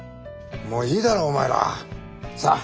もういいだろお前ら。さあ。